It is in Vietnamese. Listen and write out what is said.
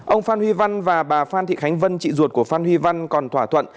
ông phan huy văn và bà phan thị khánh vân chị ruột của phan huy văn còn thỏa thuận